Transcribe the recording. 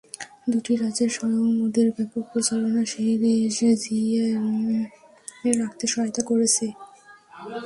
দুটি রাজ্যে স্বয়ং মোদির ব্যাপক প্রচারণা সেই রেশ জিইয়ে রাখতে সহায়তা করেছে।